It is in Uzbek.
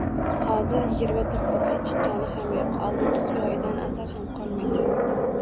Hozir yigirma to`qqizga chiqqani ham yo`q, oldingi chiroyidan asar ham qolmagan